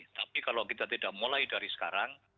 tapi kalau kita tidak mulai dari sekarang